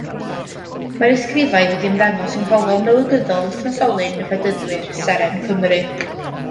Mae'r ysgrifau wedi ymddangos yng ngholofn olygyddol wythnosolyn y Bedyddwyr, Seren Cymru.